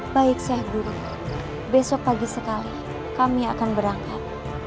baik sahaburu besok pagi sekali kami akan berangkat